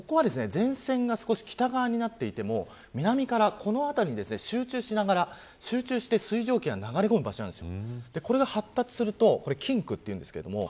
ここは前線が少し北側になっていて南からこの辺りに集中しながら水蒸気が流れ込む場所なんです。